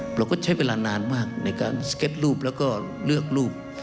เราก็ใช้เวลานานมากในการสเก็ตรูปแล้วก็เลือกรูป